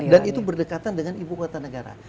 dan itu berdekatan dengan ibu kota negara